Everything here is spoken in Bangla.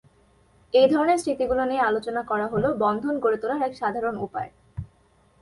এই ধরনের স্মৃতিগুলো নিয়ে আলোচনা করা হল বন্ধন গড়ে তোলার এক সাধারণ উপায়।